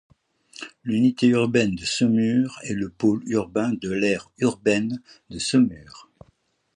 L'unité urbaine de Saumur est le pôle urbain de l'aire urbaine de Saumur.